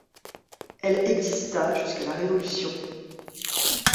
Elle exista jusqu’à la Révolution.